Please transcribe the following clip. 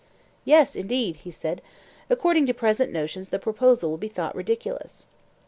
Yes, indeed, he said: according to present notions the proposal would be thought ridiculous.